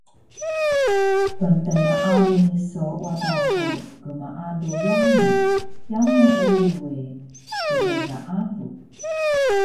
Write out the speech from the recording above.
Ptnaani so wada ku gmaalu yamu, yamu uri we pggaalu